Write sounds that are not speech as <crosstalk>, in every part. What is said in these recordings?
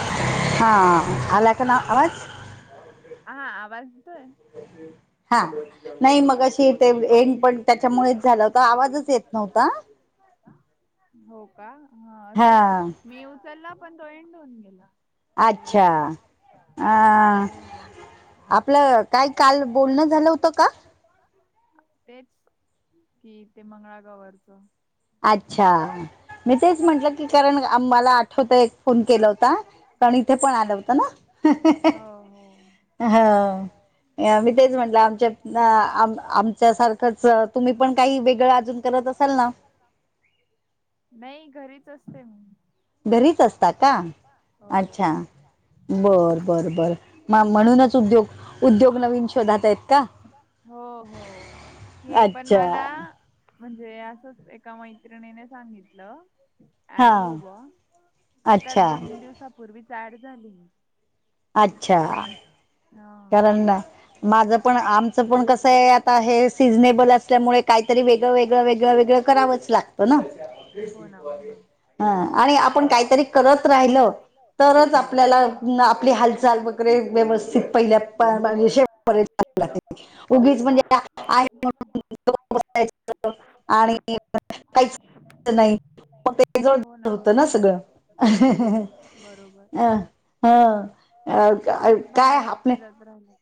हा हा आला कुणा आवाज हा आवाज येतोय हा नाही मघाशी ते एंड पण त्याच्यामुळेच झाला होता आवाजच येत नव्हता. हो का हा असेल हा मी उचलला पण तो एंड होऊन गेला. अच्छा तेवढ्यात. अ आपलं काल काल बोलणं झालं होतं का? तेच कि ते मंगळागोवरच अच्छा मी तेच म्हंटलं की कारण मला आठवत एक फोन केला होता. पण इथे पण आलं होतं ना हो हो. हा मी तेच म्हटलं आमच्यात हा आम आमच्या सारखच तुम्ही पण काही वेगळं अजून करत असाल ना नाही घरीच असते मी घरीच असता का हो अच्छा बर हो बर बर म म्हणूनच उद्योग उद्योग नवीन शोधात आहेत का? हो हो हे पण अच्छा मला. म्हणजे असंच एका मैत्रिणीने सांगितलं. हा ऍड हो ब आता अच्छा दोन दिवसापूर्वीच ऍड झाली. अच्छा हा कारण. माझं पण आमचं पण कसं आहे आता हे सिझनेबल असल्यामुळे काहीतरी वेगळं वेगळं वेगळं वेगळं. करावच लागत ना. हो ना हो ना ह आणि आपण काहीतरी करत राहिल तरच आपल्याला आपली हालचा. चाल वगैरे व्यवस्थित पहिल्या उगीच म्हणजे आहेण. <unintelligible> आणि काहीच. नाही मग तेज होत ना सगळं. बरोबर. हा काय ह हिरत ब्रह्म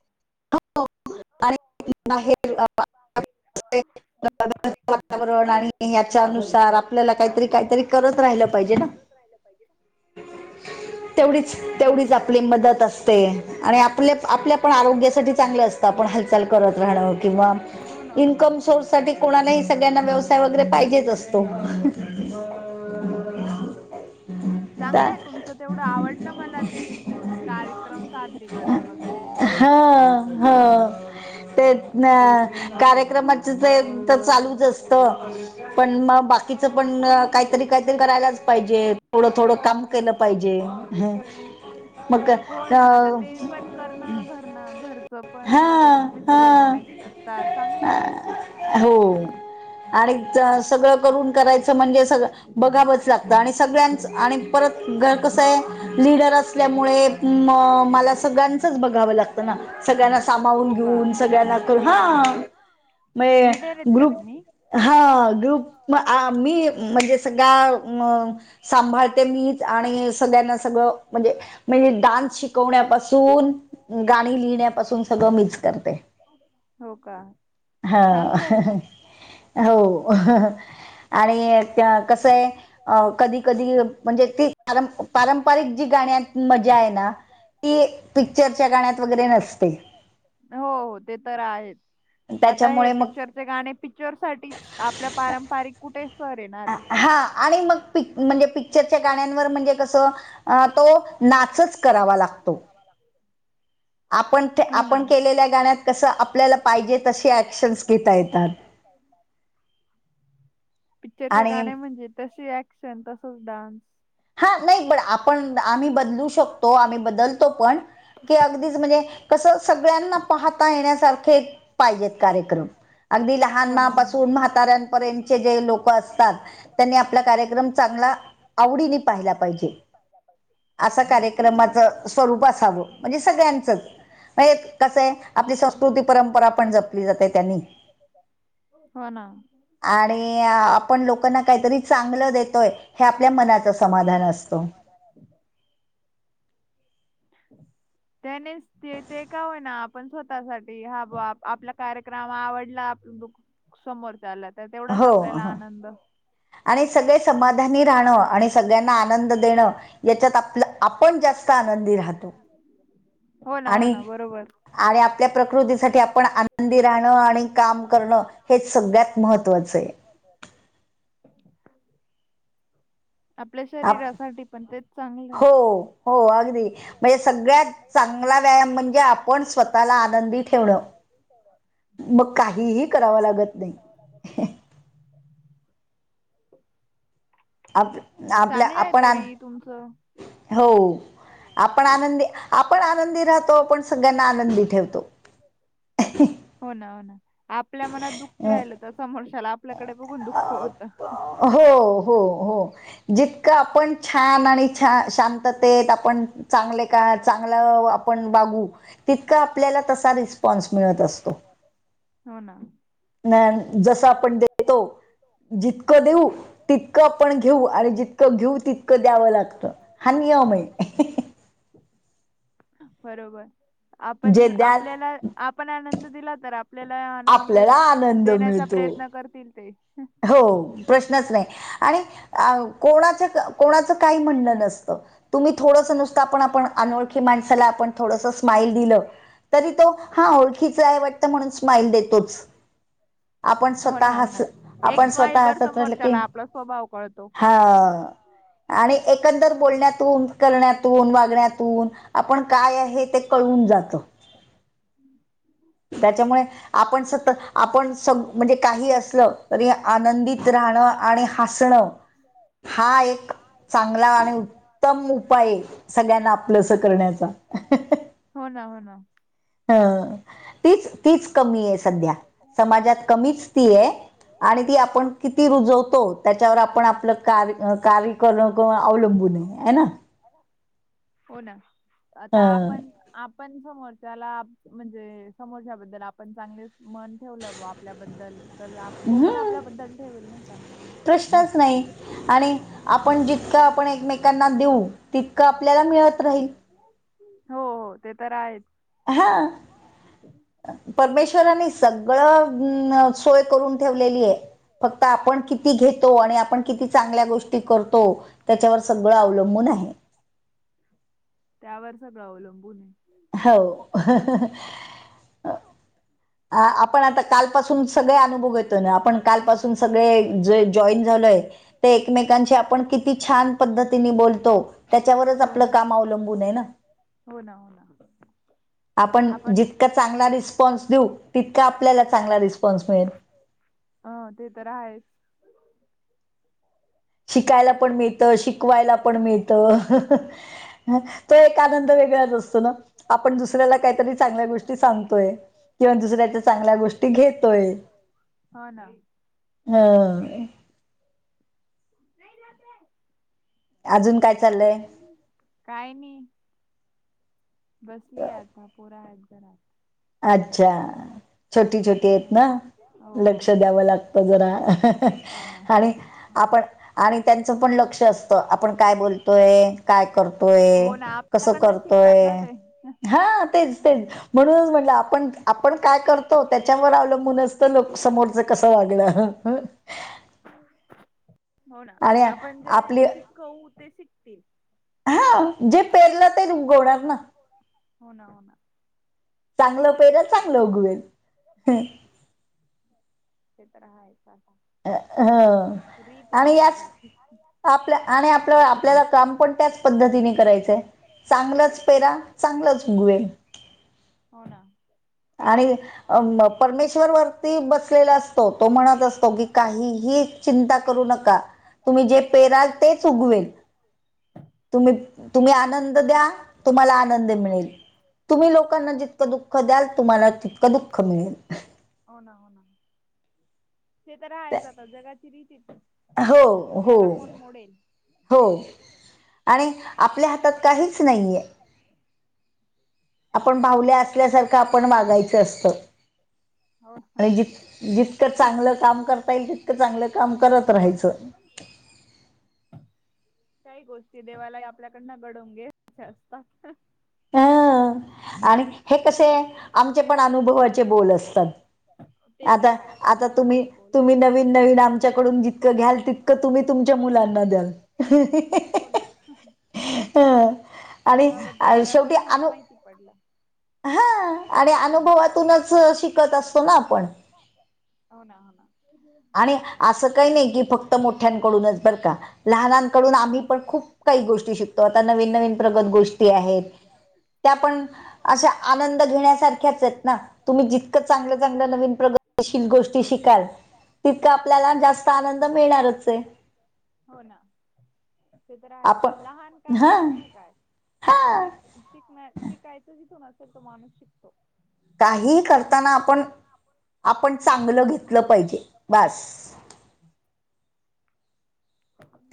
हो आणि हो आणि बाहेर अं, बाहेर अ असे वातावरण आणि रला ह्याच्यानुसार आपल्याला यांचा काहीतरी होता करत काहीतरी राहिलं पाहिजे काहीतरी ना करत राहिलं पाहिजे ना तेवढीच ना तेवढीच आपली मदत असते आणि आपल्या आपल्या पण आरोग्यासाठी चांगलं असतं आपण हालचाल करत राहणं किंवा हो ना हो ना इन्कम साठी कोणालाही सगळ्यांना व्यवसाय वगैरे पाहिजेच असतो <inaudible> चांगलं त्या- आहे तुमचं तेवढं आवडलं मला ते कार्यक्रम सादरीकरण वगैरे हो तेच ना कार्यक्रमाच ते तर चालूच असत पण मग बाकीच पण काहीतरी काहीतरी करायलाच पाहिजे थोडं थोडं काम केलं पाहिजे ह हो ना आता ते पण करणं घरण घर पण हा वगैरे तुम्ही सगळं हा मॅनेज करता चांगलं आहे हो आणि चं सगळं रूम करायचं म्हणजे सगळं बघावंच लागतं आणि सगळ्यांचं आणि परत घर कसा आहे लिडर असल्यामुळे मला सगळ्यांचं बघाव लागत ना सगळ्यांना सांभाळून हो का घेऊन सगळ्यांना हा मग हा लीडर आहेत का ग्रुप तुम्ही हा ग्रुप अ मी म्हणजे सगळा अ सांभाळते मीच आणि सगळ्यांना सगळं म्हणजे म्हणजे डान्स शिकवण्यापासून गाणी लिहिण्यापासून सगळं मीच करते हो का हा चांगलं आहे मग हो आणि कस आहे अ कधी कधी म्हणजे ती पारंपारिक जी गाण्यात मजा आहे ना ती पिक्चरच्या गाण्यात वगैरे नसते हो हो ते तर आहेत आता हे त्याच्यामुळे मग पिक्चर गाणे पिक्चरसाठीच आपल्या पारंपारिक कुठे सर येणार आहे. हा आणि मग पिक म्हणजे पिक्चरच्या गाण्यांवर म्हणजे कसं अ तो नाचच करावा लागतो आपण ते हो ना आपण केलेल्या गाण्यात कसं आपल्याला पाहिजे तसे ऍक्शन्स घेता येतात पायथान पिक्चरच्या आणि गाण्या म्हणजे तसे ऍक्शन तसाच डान्स हा नाही पण आपण आम्ही बदलू शकतो आम्ही बदलतो पण की अगदीच म्हणजे कसं सगळ्यांना पाहता येण्यासारखे पाहिजेत कार्यक्रम अगदी हो ना हो ना. लहानपणापासून म्हाता म्हाताऱ्यापर्यंतचे जे लोकं असतात, त्यांनी आपला कार्यक्रम चांगला, आवडीने पाहिला पाहिजे. असं कार्यक्रमाचं स्वरूप असावं, म्हणजे सगळ्यांचच. नाही एक कसं आहे आपली संस्कृती परंपरा पण जपली जाते त्यांनी. हो ना. आणि आपण लोकांना काहीतरी चांगलं देतोय हे आपल्या मनात असतं. समाधान असतं. त्याने ते ते का होईना आपण स्वतःसाठी हा बुआ आपला कार्य रम आवडला समोर चाल्या, तर तेवढाच हो आपल्याला हो. आनंद आणि सगळे समाधानी राहणं, आणि सगळ्यांना आनंद देणं याच्यात आपलं, आपण जास्त आनंदी राह हो ना हो आणि, ना बरोबर आणि आप आपल्या प्रकृतीसाठी आपण आनंदी राहणं, आणि काम करणं, हेच सगळ्यात महत्त्वाचं आहे आपल्या आप शरीरासाठी पण ते हो, हो अगदी म्हणजे सगळ्यात चांगला व्यायाम म्हणजे आपण स्वतःला आनंदी ठेवणं मग काहीही कराव लागत नाही आप आपल्या चांगलं आहे आपण तरी तुमचं आप हो आपण आनंदी आपण आनंदी राहतो आपण सगळ्यांना आनंदी ठेवतो हो ना, हो ना आपल्या मनात दुःख अं, राहिलं तर समोरच्याला आप <unintelligible> हो, हो, हो जितकं आपण छान आणि छा शांत तेत आपण चांगले का चांगलं आपण वाघू तितका आपल्याला तसा रिस्पॉन्स मिळत असतो हो ना नाही जसं आपण देतो जितकं देऊ तितकं आपण घेऊ, आणि जितकं घेऊ तितकं द्यावं लागतं हा नियम आहे बरोबर जे आपण द्याल आपल्याला आपण आनंद दिला तर, आपल्याला आनंद आपल्याला आनंद देण्याचा मिळतो प्रयत्न करतील ते हो प्रश्नच नाही आणि कोणाचं, कोणाचं काही म्हणणं नसतं तुम्ही थोडंसं नुसतं आपण, आपण अनोळखी माणसाला आपण थोडसं स्माइल दिलं तरी तो हां ओळखीचा आहे वाटतं म्हणून स्माइल देतोच <unintelligible> आपण हो स्वतः ना, हो हस ना. एक आपण स्वतः स्माईलवर हासत राहिलं की समोरच्याला आपला स्वभाव कळतो. हां आणि एकंदर बोलण्यातून, करण्यातून, वागण्यातून आपण काय आहे ते कळवून जातं त्याच्यामुळे आपण सतत आपण स म्हणजे काही असलं तरी आनंदित राहणं आणि हासणं हा एक चांगला आणि उत्तम उपाय आहे सगळ्यांना आपलंस करण्याचा हो ना, हो ना ह तीच, तीच कमी आहे सध्या समाजात कमीच ती आहे आणि ती आपण किती रुजवतो त्याच्यावर आपण आपलं कार कार्य कार करण अवलंबून आहे, आहे ना हो ना आता हं. आपण आप पन समोच्याला म्हणजे समोच्याबद्ल आपण चांगले मन ठेवले आपल्याबद्दल तर तो हम्म, पण आपल्याबद्दल ठेवेल नाही का प्रश्नच नाही आणि आपण जितकं आपण एकमेकांना देऊ तितकं आपल्याला मिळत राहील हो, हो ते तर आहेच हा परमेश्वरानी सगळं सोय करून ठेवलेली आहे फक्त आपण किती घेतो आणि आपण किती चांगल्या गोष्टी करतो त्याच्यावर सगळं अवलंबून आहे त्यावर सगळं अवलंबून आहे हो आपण आता कालपासून सगळे अनुभव येतो ना आपण कालपासून सगळे ज जॉईन झालय ते एकमेकांचे आपण किती छान पद्धतीने बोलतो त्याच्यावरच हो आपलं ना काम अवलंबून आहे ना हो ना हो आपण जितका चांगला रिस्पॉन्स देऊ तितका आपल्याला चांगला रिस्पॉन्स मिळेल अ ते तर आहेच शिकायला पण मिळत शिकवायला पण मिळत तो एक आनंद वेगळाच असतो ना आपण दुसऱ्याला काहीतरी चांगल्या गोष्टी सांगतोय किंवा दुसऱ्याच्या चांगल्या गोष्टी घेतोय हो ना हा <inaudible> अजून काय चाललंय काय नाही बसली आता पोरा ह जरा अच्छा छोटी ह छोटी आहेत ना हो लक्ष हो द्यावं लागतं जरा हो ना आणि आपण आणि त्यांचं पण लक्ष असतं आपण काय बोलतोय काय करतोय हो ना कसं आपल्याकडनं शिकतात करतोय ना ते हा तेच तेच म्हणूनच म्हंलं आपण आपण काय करतो त्याच्यावर अवलंबूनच तर लोक समोर कसं वागणं हो ना आपण जे आपली शिकवू ते शिकतील हा जे पेरलं ते रुगवणार ना हो ना हो ना चांगलं पेर चांगलं उगवेल ते तर आहेच आता हा <inaudible> आपल्या आणि आपल्या आपल्याला काम पण त्याच पद्धतीने करायचंय चांगलंच पेरा चांगलंच उगवेल हो ना आणि परमेश्वर वरती बसलेला अस तो म्हणत असतो की काहीही चिंता करू नका तुम्ही जे पेराल तेच उगवेल तुम्ही तुम्ही आनंद द्या तुम्हाला आनंद मिळेल तुम्ही लोकांना जितकं दुःख द्याल तुम्हाला तितकं दुःख मिळेल हो ना हो ना ते तर राहायचंात जगाची रिच हो हो त्याला कोण मोडेल हो आणि आपल्या हातात काहीच नाहीये. आपण भावल्या असल्यासारखं आपण वागायचं असतं हो ना आणि जी जितकं चांगलं काम करता येईल तितकं चांगलं काम करत राहायचं. काही गोष्टी देवाला ही आपल्याकडं घडवून घ्यायच्या असतात. हं. आणि हे कसे आमचे पण अनुभवाचे बोल असतात. ते तर आता आहेच आता तुम्ही अनुभवी बोल बोल. तुम्ही नवीन नवीन आमच्याकडून जितकं घ्याल तितकं तुम्ही तुमच्या मुलांना द्याल. हा हा हो अ आणि शेवटी अनुभव पडला. हा आणि अनुभवातूनच शिकत असतो ना आपण हो ना हो ना आणि आणि अजूनपण मोठ्या मोठ्या बर का लहानांकडून आम्ही पण खूप काही गोष्टी शिकतो आता नवीन नवीन प्रगत गोष्टी आहेत. त्या पण अशा आनंद घेण्यासारख्याच आहेत ना. तुम्ही जितकं चांगल्या चांगल्या नवीन प्रगतीशील गोष्टी शिकाल. तितकं आपल्याला जास्त आनंद मिळणारच आहे. हो ना ते तर आहेत लहान आपण काय आणि हा मोठं काय हा ठीक. शिकनार शिकायचं जिथून असेल तो माणूस शिकतो. काही करताना आपण आपण चांगलं घेतलं पाहिजे बास. <unintelligible> <inaudible>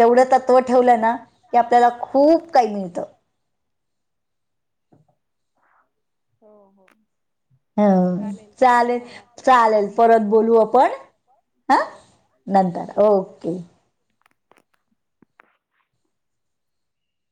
तेवढं तत्त्व ठेवलं ना की आपल्याला खूप काही मिळतं. हो हो हा ताई चालेल झाले आपले दहा चालेल मिनिट परत बोलू आपण हा हो हो हो नंतर ओके.